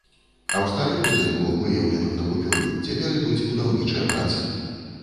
А ў старым будынку, выяўленым на купюры, цяпер ідуць будаўнічыя працы.